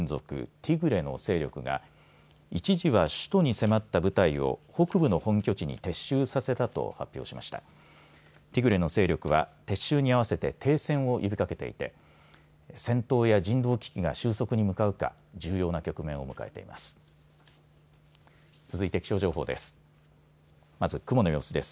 ティグレの勢力は撤収に合わせて停戦を呼びかけていて戦闘や人道危機が収束に向かうか重要な局面を迎えています。